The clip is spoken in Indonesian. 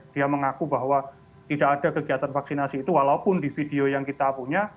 dia mengaku bahwa tidak ada kegiatan vaksinasi itu walaupun di video yang kita punya